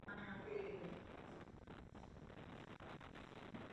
Dětem také věnoval velkou část své hudební tvorby.